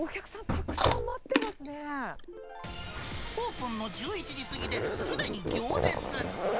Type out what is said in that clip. たくさん待ってオープンの１１時過ぎですでに行列。